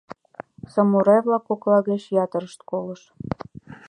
Самурай-влак кокла гыч ятырышт колыш.